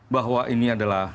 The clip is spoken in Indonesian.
bahwa ini adalah